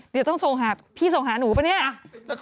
เดี๋ยวต้องส่งหาพี่ส่งหาหนูปะเนี่ย